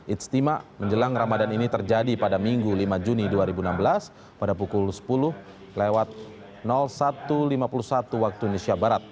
ijtima menjelang ramadan ini terjadi pada minggu lima juni dua ribu enam belas pada pukul sepuluh lewat satu lima puluh satu waktu indonesia barat